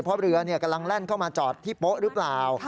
เพราะเรือกำลังแล่นเข้ามาจอดที่โป๊ะหรือเปล่า